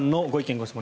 ・ご質問